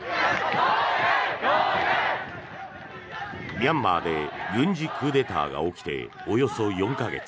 ミャンマーで軍事クーデターが起きておよそ４か月。